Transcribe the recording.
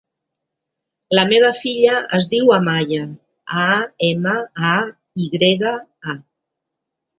La meva filla es diu Amaya: a, ema, a, i grega, a.